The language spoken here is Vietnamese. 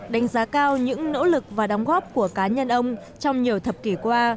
đánh giá cao những nỗ lực và đóng góp của cá nhân ông trong nhiều thập kỷ qua